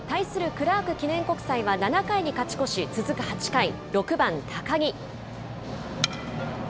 クラーク記念国際は７回に勝ち越し、続く８回、６番高木。